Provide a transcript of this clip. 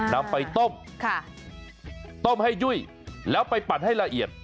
นำไปต้มต้มให้ยุ่ยแล้วไปปั่นให้ละเอียด